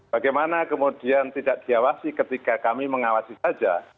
bagaimana kemudian tidak diawasi ketika kami mengawasi saja